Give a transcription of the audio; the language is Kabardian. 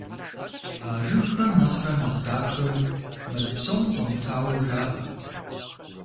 А жыгхэм нэхърэ нэхъ дахэ мэз псом щӏэмытауэ жаӏэ.